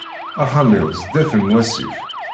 Axxam-iw sdat n wasif.